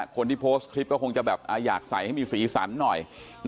คนที่โพสต์คลิปก็คงจะแบบอยากใส่ให้มีสีสันหน่อย